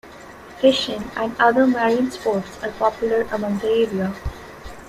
Fishing and other marine sports are popular among the area.